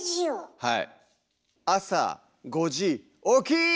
はい。